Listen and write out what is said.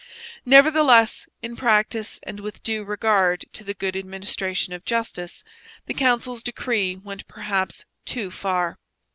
Nevertheless, in practice and with due regard to the good administration of justice, the council's decree went perhaps too far.